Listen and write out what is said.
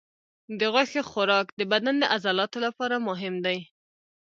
د غوښې خوراک د بدن د عضلاتو لپاره مهم دی.